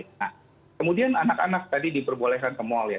nah kemudian anak anak tadi diperbolehkan ke mal ya